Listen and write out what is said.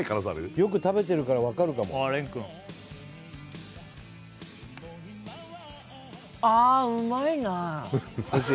よく食べてるから分かるかもああ廉くんおいしい？